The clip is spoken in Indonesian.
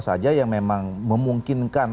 saja yang memang memungkinkan